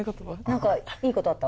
何かいいことあった？